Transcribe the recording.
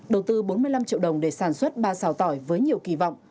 đầu tư bốn mươi năm triệu đồng để sản xuất ba xào tỏi với nhiều kỳ vọng